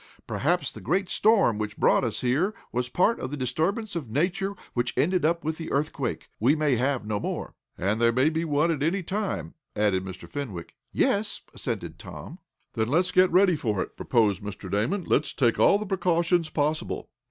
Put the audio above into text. Perhaps the great storm which brought us here was part of the disturbance of nature which ended up with the earthquake. We may have no more." "And there may be one at any time," added Mr. Fenwick. "Yes," assented Tom. "Then let's get ready for it," proposed Mr. Damon. "Let's take all the precautions possible."